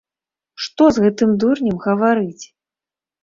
Што з гэтым дурнем гаварыць!